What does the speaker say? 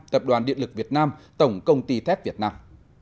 tập đoàn điện lực việt nam tổng công ty thép việt nam